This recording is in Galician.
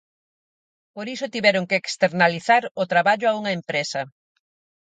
Por iso tiveron que externalizar o traballo a unha empresa.